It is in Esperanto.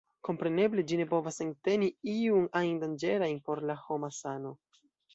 Kompreneble ĝi ne povas enteni iun ajn danĝerajn por la homa sano.